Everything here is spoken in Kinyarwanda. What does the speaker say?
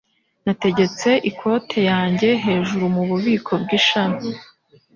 Nategetse ikoti yanjye hejuru mububiko bw'ishami.